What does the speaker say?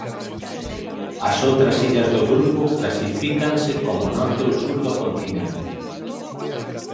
As outras illas do grupo clasifícanse como norte ou sur do Continente.